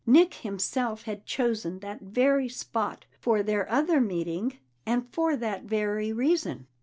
Nick himself had chosen that very spot for their other meeting, and for that very reason.